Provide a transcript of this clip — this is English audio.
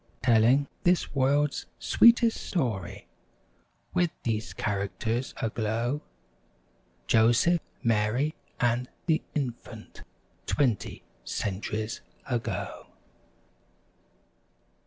Telling this world's sweetest story, With these characters aglow— Joseph, Mary and the Infant— Twenty centuries ago.